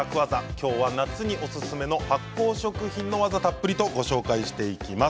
今日は夏におすすめの発酵食品の技をたっぷりとご紹介していきます。